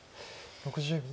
６０秒。